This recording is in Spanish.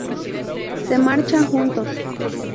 Se marchan juntos.